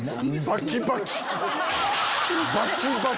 バキバキ！